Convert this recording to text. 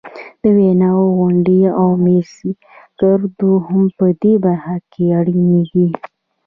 د ویناوو غونډې او میزګردونه هم په دې برخه کې اړین دي.